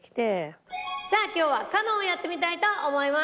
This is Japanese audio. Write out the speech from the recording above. さあ今日は『カノン』をやってみたいと思います。